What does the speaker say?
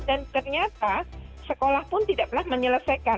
dan ternyata sekolah pun tidak pernah menyelesaikan